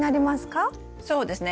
そうですね